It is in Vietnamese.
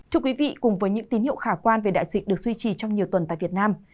thưa quý vị cùng với những tín hiệu khả quan về đại dịch được duy trì trong nhiều tuần tại việt nam